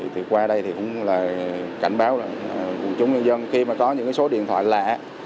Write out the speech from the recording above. thì qua đây thì cũng là cảnh báo là quần chúng nhân dân khi mà có những số điện thoại lạ